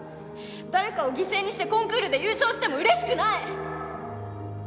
誰かを犠牲にしてコンクールで優勝しても嬉しくない！